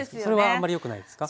あんまりよくないですか？